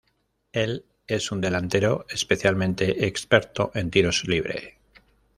Él es un delantero especialmente experto en tiros libre.